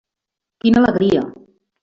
Quina alegria!